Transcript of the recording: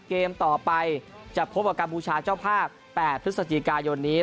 เกมต่อไปจะพบกับกัมพูชาเจ้าภาพ๘พฤศจิกายนนี้